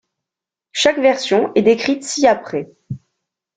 Chaque version est décrite ci-après.